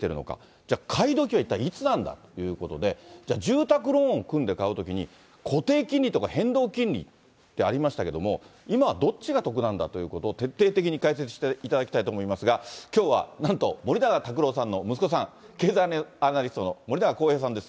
じゃあ、買いどきは一体いつなんだということで、じゃあ、住宅ローン組んで買うときに、固定金利とか、変動金利ってありましたけども、今はどっちが得なんだということを、徹底的に解説していただきたいと思いますが、きょうはなんと、森永卓郎さんの息子さん、経済アナリストの森永康平さんです。